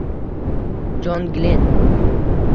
Jon Glen